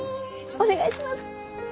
お願いします！